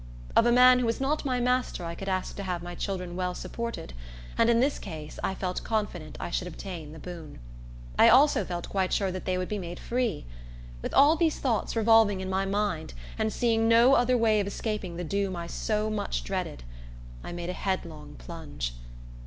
Of a man who was not my master I could ask to have my children well supported; and in this case, I felt confident I should obtain the boon. I also felt quite sure that they would be made free. With all these thoughts revolving in my mind, and seeing no other way of escaping the doom I so much dreaded, I made a headlong plunge.